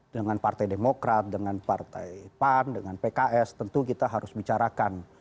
dengan partai demokrat dengan partai pan dengan pks tentu kita harus bicarakan